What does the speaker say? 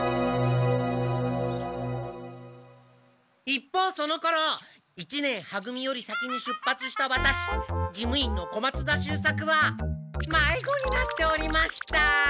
一方そのころ一年は組より先に出発したワタシ事務員の小松田秀作はまいごになっておりました！